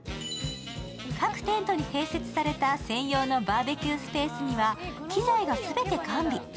各テントに併設された専用のバーベキュースペースには機材が全て完備。